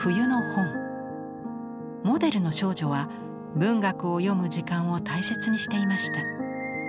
モデルの少女は文学を読む時間を大切にしていました。